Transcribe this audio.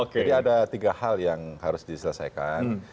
ada tiga hal yang harus diselesaikan